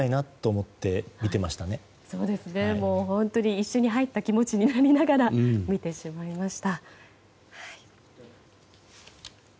一緒に入った気持ちになりながら見てしまいました。